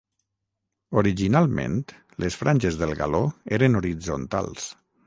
Originalment les franges del galó eren horitzontals.